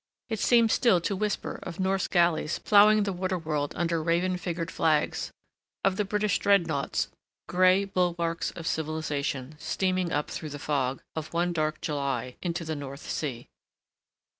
It seemed still to whisper of Norse galleys ploughing the water world under raven figured flags, of the British dreadnoughts, gray bulwarks of civilization steaming up through the fog of one dark July into the North Sea.